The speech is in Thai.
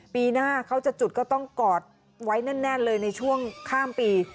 ปีหน้าเขาจะจุดก็ต้องกอดไว้แน่นเลยในช่วงข้ามปี